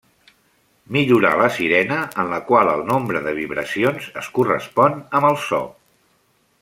Millorà la sirena en la qual el nombre de vibracions es correspon amb el so.